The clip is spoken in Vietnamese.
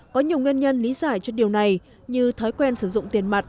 có nhiều nguyên nhân lý giải cho điều này như thói quen sử dụng tiền mặt